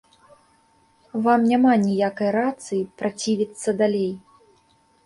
Вам няма ніякай рацыі працівіцца далей.